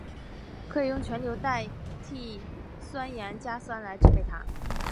可以用全硫代锑酸盐加酸来制备它。